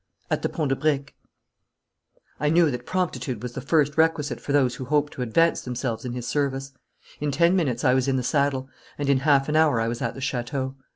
'At the Pont de Briques.' I knew that promptitude was the first requisite for those who hoped to advance themselves in his service. In ten minutes I was in the saddle, and in half an hour I was at the chateau.